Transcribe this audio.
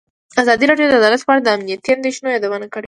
ازادي راډیو د عدالت په اړه د امنیتي اندېښنو یادونه کړې.